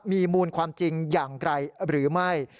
มีมูลความจริงอย่างไกลหรือไม่